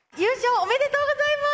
おめでとうございます！